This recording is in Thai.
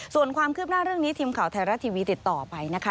ส่วนความคืบหน้าเรื่องนี้ทีมข่าวไทยรัฐทีวีติดต่อไปนะคะ